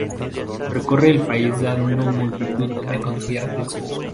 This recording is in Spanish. Recorre el país dando multitud de conciertos.